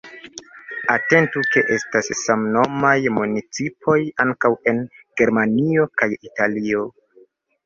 Atentu, ke estas samnomaj municipoj ankaŭ en Germanio kaj Italio.